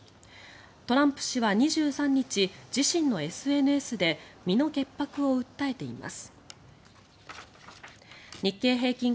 トランプ氏は２３日、自身のＳＮＳで身の潔白を訴えています。